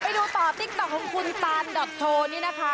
ไปดูต่อติ๊กต๊อกของคุณตานดอกโทนี่นะคะ